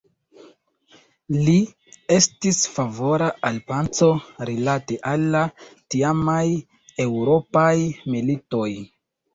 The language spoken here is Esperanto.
Li estis favora al paco rilate al la tiamaj eŭropaj militoj.